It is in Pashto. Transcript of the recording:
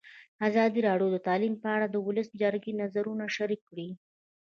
ازادي راډیو د تعلیم په اړه د ولسي جرګې نظرونه شریک کړي.